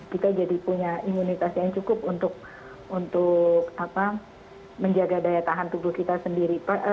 kita jadi punya imunitas yang cukup untuk menjaga daya tahan tubuh kita sendiri